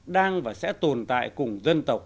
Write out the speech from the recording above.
đang và sẽ tồn tại cùng dân tộc